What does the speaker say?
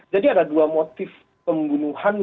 jadi ini ada dua motif pembunuhan